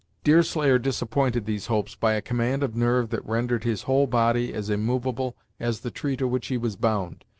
Deerslayer disappointed these hopes by a command of nerve that rendered his whole body as immovable as the tree to which he was bound.